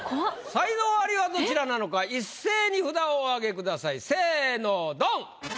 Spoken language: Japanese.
才能アリはどちらなのか一斉に札をお上げください。せぇのドン！